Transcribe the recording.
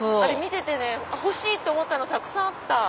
そうそう欲しい！って思ったのたくさんあった。